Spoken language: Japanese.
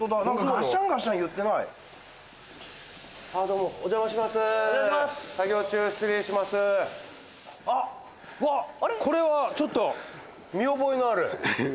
うわこれはちょっと見覚えのある。